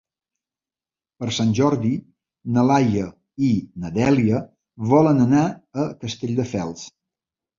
Per Sant Jordi na Laia i na Dèlia volen anar a Castelldefels.